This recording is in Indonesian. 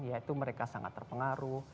yaitu mereka sangat terpengaruh